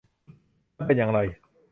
นั่นเป็นอย่างไร